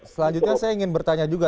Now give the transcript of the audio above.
selanjutnya saya ingin bertanya juga